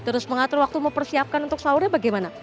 terus mengatur waktu mau persiapkan untuk sahurnya bagaimana